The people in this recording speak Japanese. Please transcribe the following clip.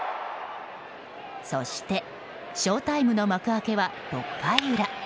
そしてショウタイムの幕開けは６回裏。